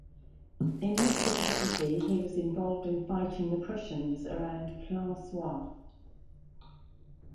In this capacity he was involved in fighting the Prussians around Plancenoit.